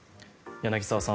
柳澤さん